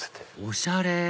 おしゃれ！